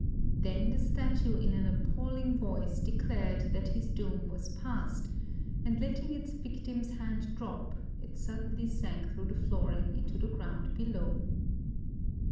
Then the Statue in an appalling voice declared that his doom was passed, and letting its victim's hand drop, it suddenly sank through the flooring into the ground below.